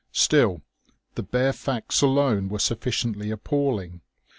Still, the bare facts alone were sufficiently appalling.